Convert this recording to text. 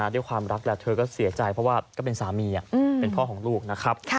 ด้วยความรักแล้วเธอก็เสียใจเพราะว่าก็เป็นสามีเป็นพ่อของลูกนะครับ